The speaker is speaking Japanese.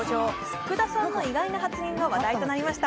福田さんの意外な発言が話題となりました。